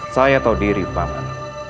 saya tahu diri paman